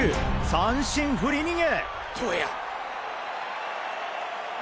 三振振り逃げ？